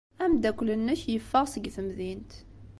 Ameddakel-nnek yeffeɣ seg temdint.